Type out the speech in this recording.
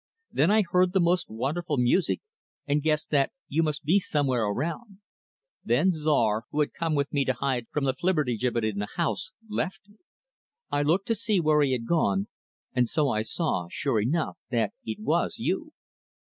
Then I heard the most wonderful music and guessed that you must be somewhere around. Then Czar, who had come with me to hide from the Flibbertigibbet in the house, left me. I looked to see where he had gone, and so I saw, sure enough, that it was you.